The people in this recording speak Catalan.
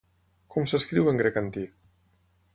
Com s'escriu en grec antic?